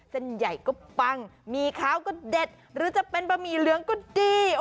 เส้นใหญ่ก็ปังหมี่ขาวก็เด็ดหรือจะเป็นบะหมี่เหลืองก็ดี